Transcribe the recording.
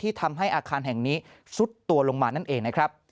ทำให้อาคารแห่งนี้ซุดตัวลงมานั่นเองนะครับ